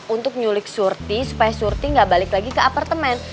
untuk nyulik surti supaya surti nggak balik lagi ke apartemen